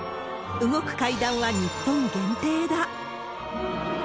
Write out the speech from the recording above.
動く階段は日本限定だ。